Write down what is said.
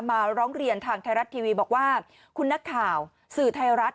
มาร้องเรียนทางไทยรัฐทีวีบอกว่าคุณนักข่าวสื่อไทยรัฐ